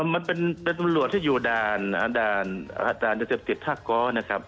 มันเป็นตำรวจที่อยู่ด่านยาเสพติดท่าก้อนะครับ